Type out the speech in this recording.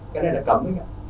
cái này là cấm anh ạ